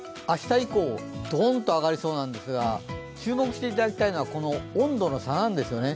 明日以降、ドーンと上がりそうなんですが、注目していただきたいのは、温度の差なんです。